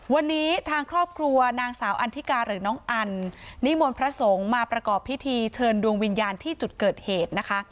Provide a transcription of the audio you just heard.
วันนี้ทางครอบครัวนางสาวอันทิกาหรือน้องอันนิมนต์พระสงฆ์มาประกอบพิธีเชิญดวงวิญญาณที่จุดเกิดเหตุนะคะ